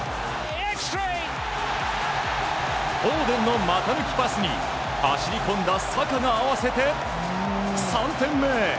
フォーデンの股抜きパスに走り込んだサカが合わせて３点目！